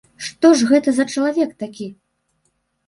Што ж гэта за чалавек такі?